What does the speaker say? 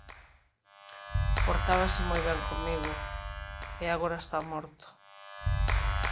Portábase moi ben comigo… E agora está morto…